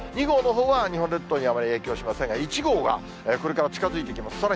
２号のほうは日本列島にあまり影響しませんが、１号はこれから近づいてきます。